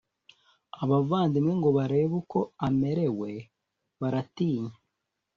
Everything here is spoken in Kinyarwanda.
abavandimwe ngo barebe uko amerewe baratinya.